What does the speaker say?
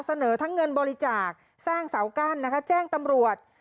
เสนอทั้งเงินบริจาคสร้างเสากั้นนะคะแจ้งตำรวจ